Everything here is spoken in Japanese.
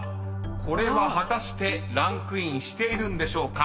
［これは果たしてランクインしているんでしょうか？］